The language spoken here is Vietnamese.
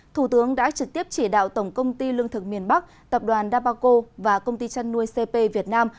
thủ tướng đã trực tiếp chỉ đạo tổng công ty lương thực miền bắc tập đoàn dabaco và công ty chăn nuôi cp việt nam